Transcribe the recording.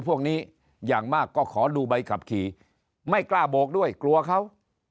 พวกนี้อย่างมากก็ขอดูใบขับขี่ไม่กล้าโบกด้วยกลัวเขา